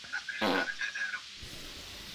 ¬ له رام رام څخه تښتېدم، پر کام کام واوښتم.